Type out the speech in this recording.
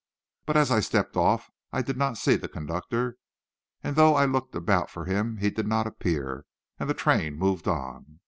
But as I stepped off I did not see the conductor, and, though I looked about for him, he did not appear, and the train moved on.